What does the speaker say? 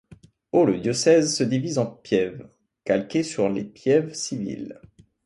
Au le diocèse se divise en pieves, calquées sur les pièves civiles.